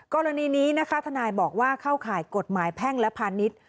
กรณีนี้นะคะทนายบอกว่าเข้าข่ายกฎหมายแพ่งและพาณิชย์